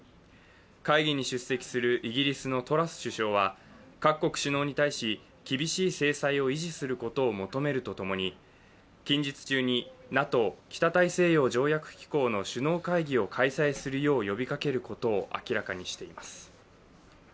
会議に出席するイギリスのトラス首相は各国首脳に対し、厳しい制裁を維持することを求めるとともに、近日中にＮＡＴＯ＝北大西洋条約機構の首脳会議を開催するよう呼びかけることを明らかにしています。